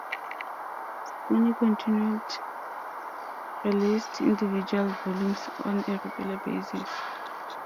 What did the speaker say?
Sony continued released individual volumes on a regular basis.